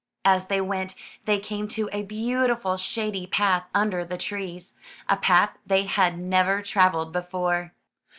As they went, they came to a beautiful shady path under the trees, a path they had never traveled before.